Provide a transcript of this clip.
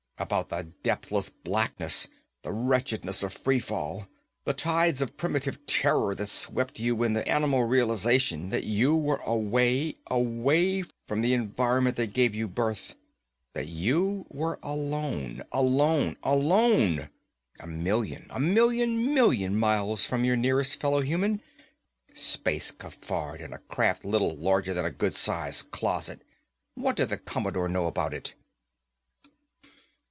About the depthless blackness, the wretchedness of free fall, the tides of primitive terror that swept you when the animal realization hit that you were away, away, away from the environment that gave you birth. That you were alone, alone, alone. A million, a million million miles from your nearest fellow human. Space cafard, in a craft little larger than a good sized closet! What did the Commodore know about it?